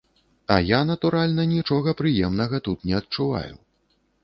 І я, натуральна, нічога прыемнага тут не адчуваю.